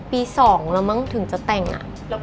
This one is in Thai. ปี๒มึงถึงจะแต่งอะ